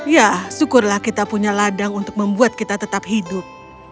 ya syukurlah kita punya ladang untuk membuat kita tetap hidup